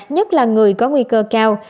nhất là người có nguy cơ cao